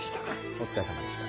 お疲れさまでした。